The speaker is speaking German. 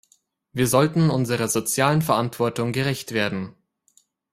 Wir sollten unserer sozialen Verantwortung gerecht werden.